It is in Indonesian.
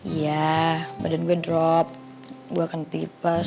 iya badan gue drop gue akan tipis